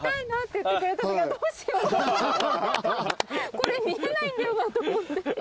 これ見えないんだよなと思って。